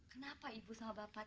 kenapa ibu sama bapak